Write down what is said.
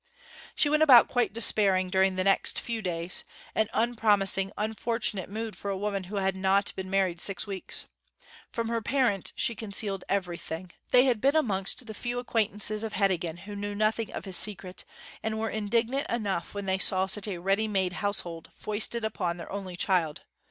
She went about quite despairing during the next few days an unpromising, unfortunate mood for a woman who had not been married six weeks. From her parents she concealed everything. They had been amongst the few acquaintances of Heddegan who knew nothing of his secret, and were indignant enough when they saw such a ready made household foisted upon their only child.